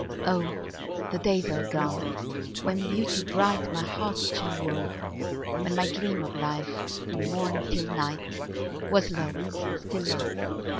Oh! the days are gone, when Beauty bright My heart's chain wove; When my dream of life, from morn till night, Was love, still love.